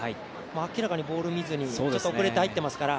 明らかにボールを見ずにちょっと遅れて入ってますから。